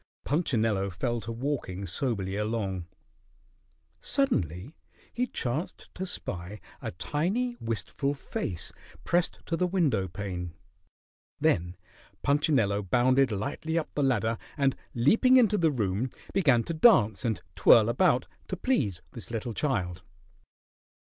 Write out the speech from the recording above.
Punchinello fell to walking soberly along. Suddenly he chanced to spy a tiny, wistful face pressed to the window pane. Then Punchinello bounded lightly up the ladder, and leaping into the room, began to dance and twirl about to please this little child.